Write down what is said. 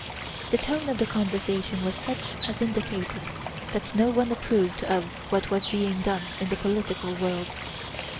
The tone of the conversation was such as indicated that no one approved of what was being done in the political world.